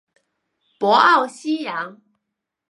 博奥西扬。